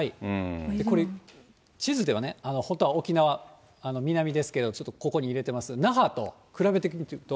これ、地図ではね、本当は沖縄、南ですけど、ちょっとここに入れてますけど、那覇と比べてみると。